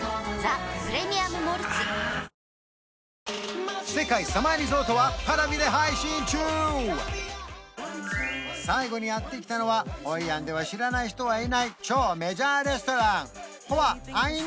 あー最後にやって来たのはホイアンでは知らない人はいない超メジャーレストラン